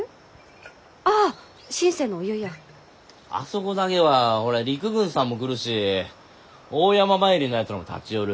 あそこだけはほら陸軍さんも来るし大山参りのやつらも立ち寄る。